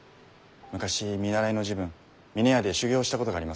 昔見習いの時分峰屋で修業したことがあります。